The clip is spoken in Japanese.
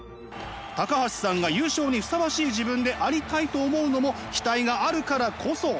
橋さんが優勝にふさわしい自分でありたいと思うのも期待があるからこそ。